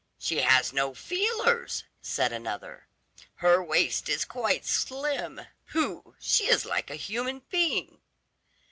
"She has no feelers," said another. "Her waist is quite slim. Pooh! she is like a human being."